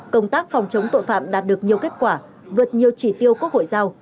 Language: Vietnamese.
công tác phòng chống tội phạm đạt được nhiều kết quả vượt nhiều chỉ tiêu quốc hội giao